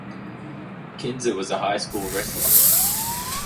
Kinser was a high school wrestler.